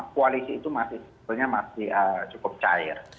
koalisi itu masih cukup cair